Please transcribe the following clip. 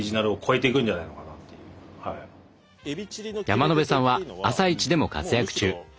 山野辺さんは「あさイチ」でも活躍中。